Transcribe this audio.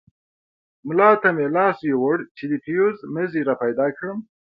ملا ته مې لاس يووړ چې د فيوز مزي راپيدا کړم.